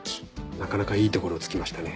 なかなかいいところを突きましたね。